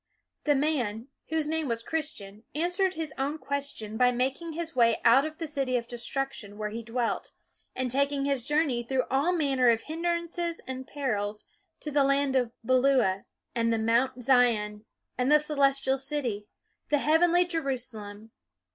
The man, whose name was Christian, answered his own question by making his way out of the City of Destruction where he dwelt, and taking his journey through all manner of hindrances and perils to the land of Beulah, and the Mount Zion, and the Celestial City, the heavenly Jerusalem.